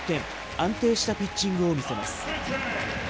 安定したピッチングを見せます。